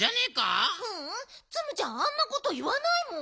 ううんツムちゃんあんなこといわないもん。